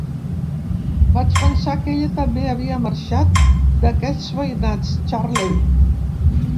Vaig pensar que ella també havia marxat d'aquest veïnat, Charley.